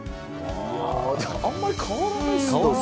あんまり変わらないですね。